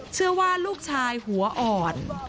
เชื่อว่าลูกชายหัวอ่อน